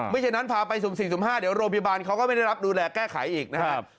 ฉะนั้นพาไปสุ่ม๔สุ่ม๕เดี๋ยวโรงพยาบาลเขาก็ไม่ได้รับดูแลแก้ไขอีกนะครับ